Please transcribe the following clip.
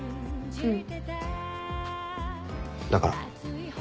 うん。